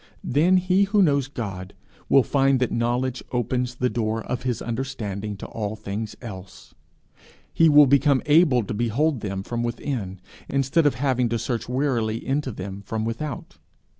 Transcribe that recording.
Then he who knows God, will find that knowledge open the door of his understanding to all things else. He will become able to behold them from within, instead of having to search wearily into them from without.